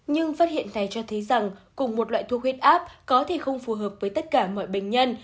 nhưng phát hiện này cho thấy rằng cùng một loại thuốc huyết áp có thể không phù hợp với tất cả mọi bệnh nhân